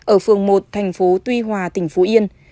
ở phường một thành phố tuy hòa tỉnh phú yên